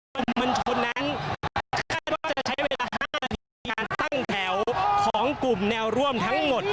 แค่แล้วจะใช้เวลา๕นาทีการตั้งแถวของกลุ่มแนวร่วมทั้งหมด